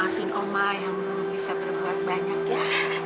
maafin oma yang belum bisa berbuat banyak ya